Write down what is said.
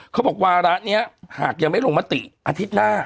เขาบอกว่าระเนี้ยหากยังไม่ลงมาติอาทิตย์หน้า